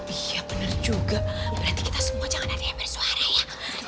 iya bener juga berarti kita semua jangan ada yang bersuara ya